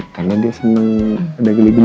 karena dia seneng ada geli geli